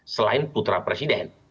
selain putra presiden